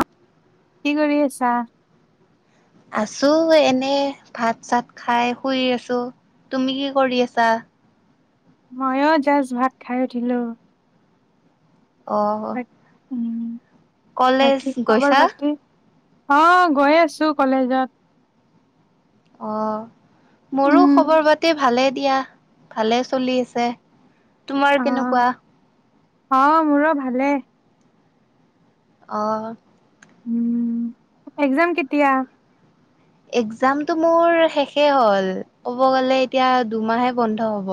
অ কি কৰি আছা? আছো এনে ভাত চাত খাই শুই আছো তুমি কি কৰি আছা? ময়ো জাষ্ট ভাত খাই উঠিলোঁ। আহ। উম, কলেজ বাকী খবৰ গৈছা পাতি? অ গৈ আছো কলেজত অ মোৰো উম। খবৰ পাতি ভালে দিয়া ভালে চলি আছে তোমাৰ অ', কেনেকুৱা অ মোৰো ভালে অহ উম এক্জাম কেতিয়া এক্জামতটো মোৰ শেষেই হ'ল ক'ব গ'লে এতিয়া দুমাহে বন্ধ হ'ব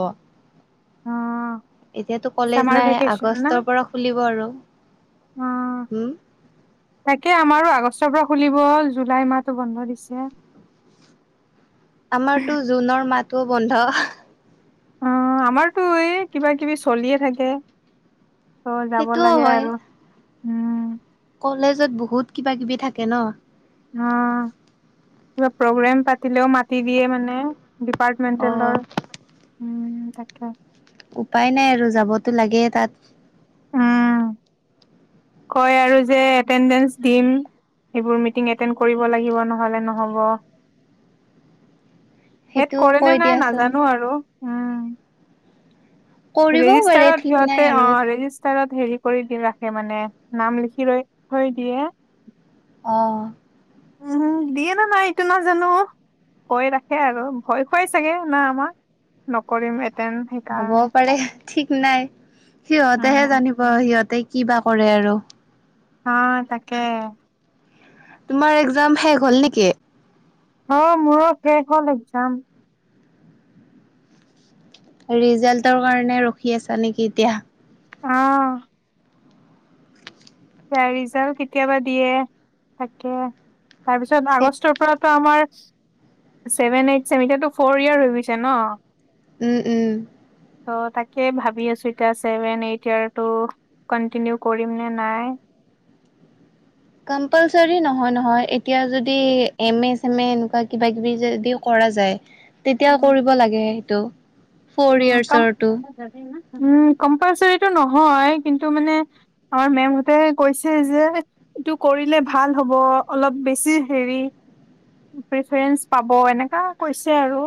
অ' এতিয়াতো কলেজ চামাৰ নাই ভেকেচন না? আগষ্টৰ পৰা খুলিব আৰু অ উম, তাকে আমাৰো আ আগষ্টৰ পৰা খুলিব জুলাই মাহটো বন্ধ দিছে আমাৰটো জুনৰ মাত টো বন্ধ অ আমাৰতো এই কিবা কিবি চলিয়ে থাকে ত' যাব সেইটোও লাগে হয়। আৰু উম, কলেজত বহুত কিবা কিবি থাকে ন অ কিবা প্ৰগ্ৰেম পাতিলেও মাতি দিয়ে মানে অ' ডিপাৰ্টমেণ্টেলৰ উম তাকে উপায় নাই আৰু যাবতো লাগে তাত উম কয় আৰু যে এতেনডেঞ্চ দিম সেইবোৰ মিটিং এতেন কৰিব লাগিব নহলে নহব হেত সেইটোও কৰে কৈ নে নাই দিয়াচোন নাজানো আৰু উম কৰিবও পাৰে ৰেজিষ্টাৰত ঠিক নাই সিহতে অ আৰু ৰেজিষ্টাৰত হেৰি কৰি দি ৰাখে মানে নাম লিখি ৰৈ থৈ দিয়ে অঁ উম দিয়ে ন নাই এইটো নাজানো কৈ ৰাখে আৰু ভয় খুৱাই চাগে না আমাক নকৰিম এড তেন হ'বও সেইকাৰণে পাৰে ঠিক নাই সিহঁতেহে উম, জানিব সিহঁতি কিবা কৰে আৰু অ তাকে তোমাৰ এক্জাম শেষ হল নিকি অ মোৰো শেষ হ'ল এক্জাম ৰিজাল্টৰ কাৰণে ৰখি আছা নিকি এতিয়া অহ বা ৰিজাল্ট কেতিয়াবা দিয়ে তাকে তাৰপিছত সেই আগষ্টৰ পৰাতো আমাৰ ছেভেন এইথ [unintelligible] এতিয়াটো ফ'ৰ ইয়েৰ হৈ গৈছে ন? উম, উম। ত' তাকে ভাবি আছো এতিয়া, ছেভেন, এইট ইয়াৰটো কন্টিনিউ কৰিম নে নাই। কম্পালচৰী নহয় নহয়, এতিয়া যদি এম এ, ছেম এ এনেকুৱা কিবা কিবি যদি কৰা যাই তেতিয়াও উম, কৰিব লাগে। টো ফ'ৰ ইয়োৰছৰ টু উ কম্পালচৰিটো নহয়, কিন্তু মানে মেম হতে কৈছে যে এইটো কৰিলে ভাল হব, অলপ বেছি হেৰী, প্ৰেফাৰেন্স পাব, এনেকৈ কৈছে আৰু।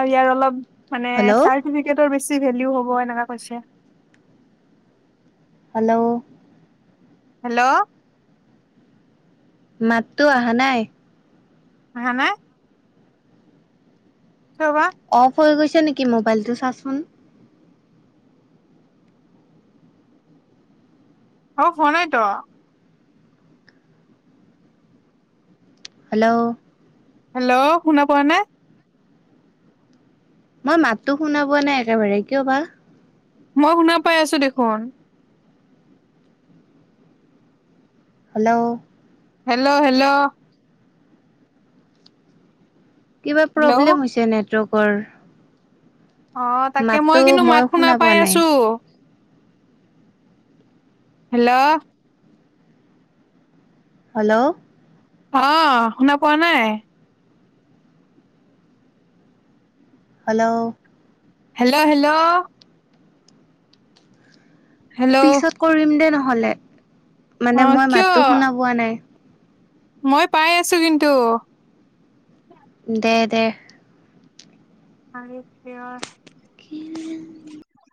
আৰু ইয়াৰ অলপ মানে হেল্ল' চাৰ্টিফিকেটো বেছ বেছি ভেলু হ'ব এনেকে কৈছে। হেল্ল' হেল্ল' মাততো অহা নাই। আহা নাই? কিয় বা অফ হৈ গৈছে। নেকি মোবাইলতটো চাচোন অফ হোৱা নাই টো হেল্ল' হেল্ল', শুনা পোৱা নাই? মই মাতটো শুনা পোৱা নাই একেবাৰে কিয় বা। মই শুনা পাই আছো দেখোন। হেল্ল' হেল্ল' হেল্ল' কিবা হেল্ল' প্ৰব্লেম হৈছে নে প্ৰপাৰ অ', তাকে। মই কিন্তু মাত শুনা পাই আছো। হেল্ল'। হেল্ল'। অ', শুনা পোৱা নাই? হেল্ল'। Hello, hello. হেল্ল' পিছত কৰিম দে ন হ'লে। অ মানে মই কিয় মাতটো শুনা পোৱা নাই। মই পাই আছো কিন্তু। দে, দে। [unintelligible] [unintelligible]